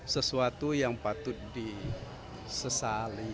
sesuatu yang patut disesali